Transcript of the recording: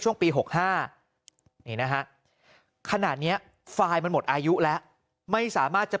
ช่วงปี๖๕นี่นะฮะขนาดนี้ไฟล์มันหมดอายุแล้วไม่สามารถจะ